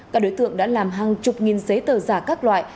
các đối tượng đã làm hàng chục nghìn giấy tờ giả các loại